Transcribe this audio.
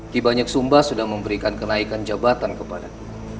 ki banyak sumbah sudah memberikan kenaikan jabatan kepadaku